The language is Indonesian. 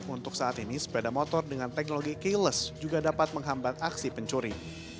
untuk saat ini sepeda motor dengan teknologi kayless juga dapat menghambat aksi pencuri